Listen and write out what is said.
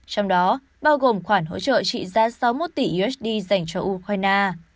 trong đó bao gồm khoản hỗ trợ trị giá sáu mươi một tỷ usd dành cho ukraine